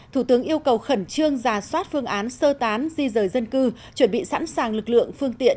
thủ tướng yêu cầu khẩn trương giả soát phương án sơ tán di rời dân cư chuẩn bị sẵn sàng lực lượng phương tiện